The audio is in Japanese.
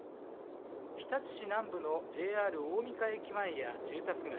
日立市南部のＪＲ大甕駅前や住宅街